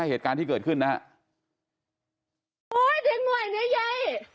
เหตุการณ์ที่เกิดขึ้นนะฮะโอ้ยเดี๋ยวหน่วยเนี้ยยาย